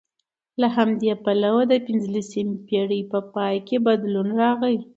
له همدې پلوه د پنځلسمې پېړۍ په پای کې بدلون راغی